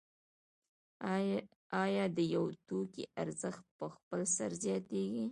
آیا د یو توکي ارزښت په خپل سر زیاتېږي